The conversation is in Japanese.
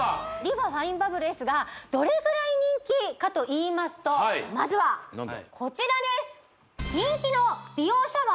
ファインバブルＳがどれぐらい人気かといいますとまずはこちらです！